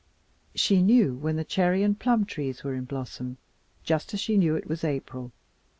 She knew when the cherry and plum trees were in blossom just as she knew it was April.